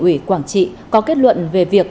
ủy quảng trị có kết luận về việc